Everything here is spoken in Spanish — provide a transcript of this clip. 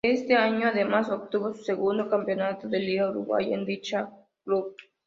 Ese año además obtuvo su segundo campeonato de liga uruguaya con dicho club.